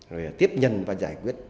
rồi tiếp nhận và giải quyết